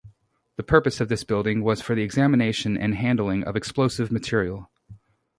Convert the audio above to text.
The purpose of this building was for the examination and handling of explosive material.